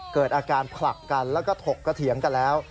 เกิดอาการผลักกันแล้วก็ถกกระเถียงกันแล้ว